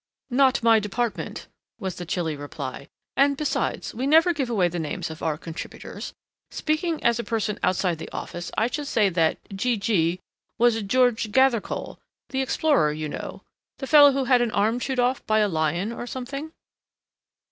"Not my department," was the chilly reply, "and besides we never give away the names of our contributors. Speaking as a person outside the office I should say that 'G. G.' was 'George Gathercole' the explorer you know, the fellow who had an arm chewed off by a lion or something."